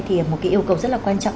thì một cái yêu cầu rất là quan trọng